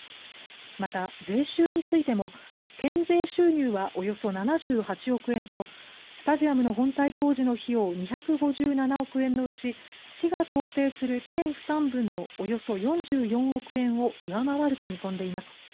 また、税収についても県税収入はおよそ７８億円とスタジアムの本体工事の費用２５７億円のうち市が想定する県負担分のおよそ４４億円を上回ると見込んでいます。